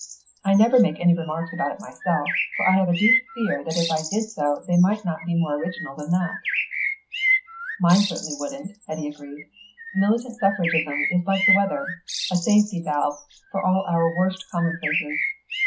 I never make any remarks about it myself, for I have a deep fear that if I did so they might not be more original than that." "Mine certainly wouldn't," Eddy agreed. "Militant suffragism is like the weather, a safety valve for all our worst commonplaces.